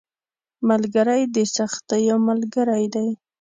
ملګری د سختیو ملګری دی